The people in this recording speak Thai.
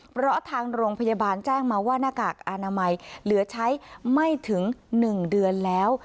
เพราะทางโรงพยาบาลแจ้งมาว่าหน้ากากอนามัยเหลือใช้ไม่ถึง๑เดือนแล้ว